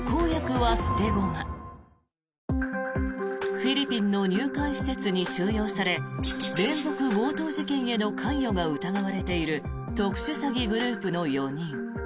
フィリピンの入管施設に収容され連続強盗事件への関与が疑われている特殊詐欺グループの４人。